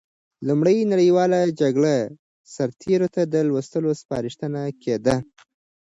لومړۍ نړیواله جګړه سرتېرو ته د لوستلو سپارښتنه کېده.